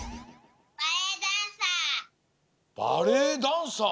バレエダンサー？